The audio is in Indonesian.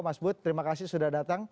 mas bud terima kasih sudah datang